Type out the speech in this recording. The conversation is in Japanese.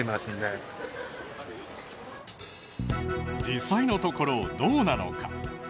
実際のところどうなのか？